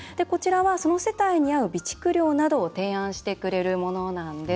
その世帯に合う備蓄量などを提案してくれるものなんです。